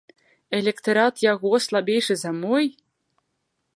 Электарат яго слабейшы за мой?